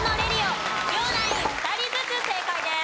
両ナイン２人ずつ正解です。